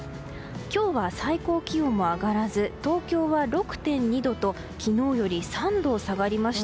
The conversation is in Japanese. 今日は最高気温も上がらず東京は６．２度と昨日より３度下がりました。